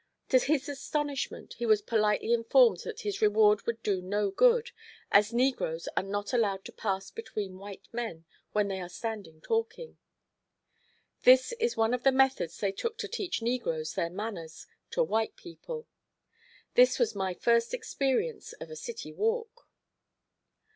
To his astonishment, he was politely informed that his reward would do no good, as negroes are not allowed to pass between white men when they are standing talking. This is one of the methods they took to teach negroes their manners to white people. This was my first experience of a city walk.